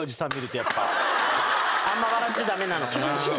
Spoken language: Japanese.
あんま笑っちゃ駄目なのかな？